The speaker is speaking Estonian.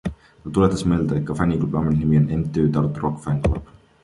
Ta tuletas meelde, et ka fänniklubi ametlik nimi on MTÜ Tartu Rock Fan Club.